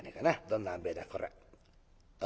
どんなあんべえだこれ。